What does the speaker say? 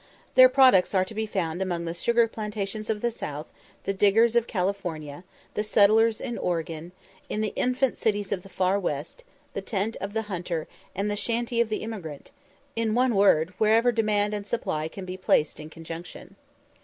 Their products are to be found among the sugar plantations of the south, the diggers of California, the settlers in Oregon, in the infant cities of the far West, the tent of the hunter, and the shanty of the emigrant; in one word, wherever demand and supply can be placed in conjunction.